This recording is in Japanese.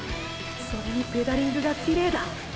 それにペダリングがきれいだ。